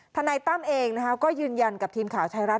ธนัยต้ำเองนะครับก็ยืนยันกับทีมข่าวชายรัฐ